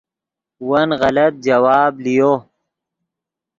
ون غلط جواب لیو